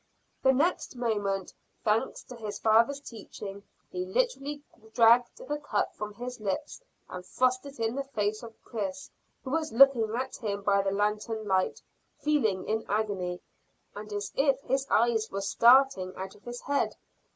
The next moment, thanks to his father's teaching, he literally dragged the cup from his lips and thrust it in the face of Chris, who was looking at him by the lanthorn light, feeling in agony, and as if his eyes were starting out of his head.